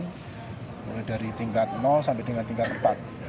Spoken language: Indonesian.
mulai dari tingkat sampai dengan tingkat empat